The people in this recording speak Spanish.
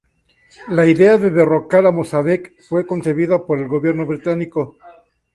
La idea de derrocar a Mosaddeq fue concebida por el gobierno británico.